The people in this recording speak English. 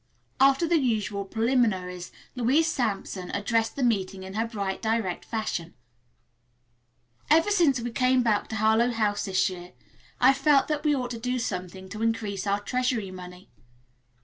After the usual preliminaries, Louise Sampson addressed the meeting in her bright direct fashion. "Ever since we came back to Harlowe House this year I've felt that we ought to do something to increase our treasury money.